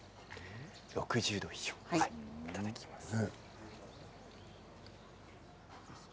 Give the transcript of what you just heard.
６０度、いただきます。